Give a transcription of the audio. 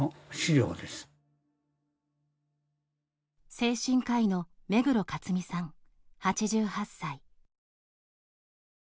精神科医の目黒克己さん８８歳。